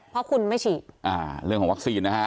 เพราะคุณไม่ฉีดอ่าเรื่องของวัคซีนนะฮะ